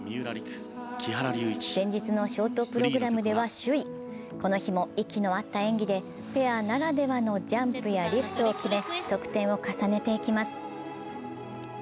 前日のショートプログラムでは首位、この日も息の合った演技でペアならではのジャンプやリフトを決め、得点を重ねていきます。